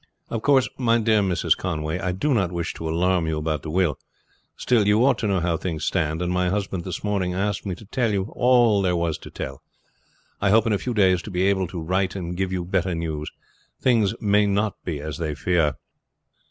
"Of course, my dear Mrs. Conway, I do not wish to alarm you about the will; still you ought to know how things stand, and my husband this morning asked me to tell you all there was to tell. I hope in a few days to be able to write and give you better news. Things may not be as they fear."